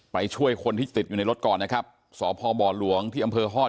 ไปช่วยคนที่ติดอยู่ในรถก่อนนะครับสพบหลวงที่อำเภอฮอต